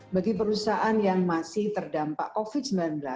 bagi perusahaan yang masih terdampak covid sembilan belas